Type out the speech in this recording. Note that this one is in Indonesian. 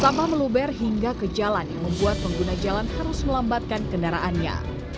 sampah meluber hingga ke jalan yang membuat pengguna jalan harus melambatkan kendaraannya